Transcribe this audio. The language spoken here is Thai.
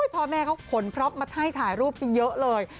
พ่อแม่เขาขนพร็อปมาให้ถ่ายรูปกันเยอะเลย